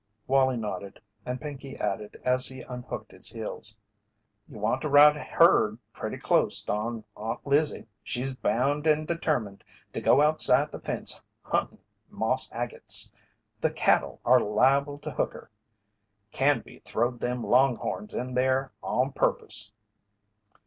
Wallie nodded, and Pinkey added as he unhooked his heels: "You want to ride herd pretty clost on Aunt Lizzie. She's bound and determined to go outside the fence huntin' moss agates. The cattle are liable to hook her. Canby throwed them long horns in there on purpose."